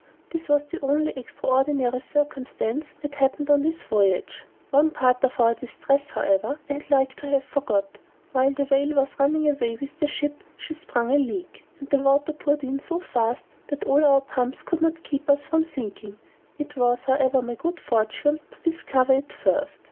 ] This was the only extraordinary circumstance that happened on this voyage. One part of our distress, however, I had like to have forgot: while the whale was running away with the ship she sprung a leak, and the water poured in so fast, that all our pumps could not keep us from sinking; it was, however, my good fortune to discover it first.